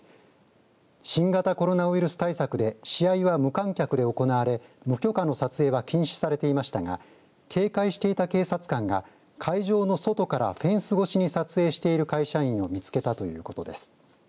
新型コロナウイルス対策で試合は無観客で行われ無許可の撮影は禁止されていましたが警戒していた警察官が会場の外からフェンス越しに撮影していた会社員を見つけたということです。